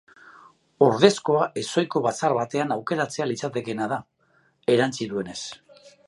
Ordezkoa ezohiko batzar batean aukeratzea litekeena da, erantsi duenez.